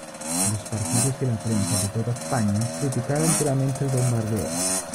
Los partidos y la prensa de toda España criticaron duramente el bombardeo.